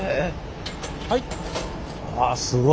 はい。